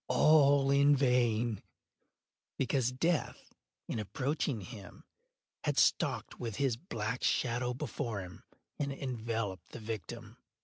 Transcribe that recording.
All in vain; because Death, in approaching him had stalked with his black shadow before him, and enveloped the victim.